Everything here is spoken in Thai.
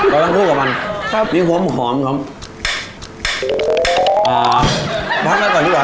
ก็ต้องคู่กับมันครับมีขมขอมขมอ่าพักแล้วก่อนดีกว่า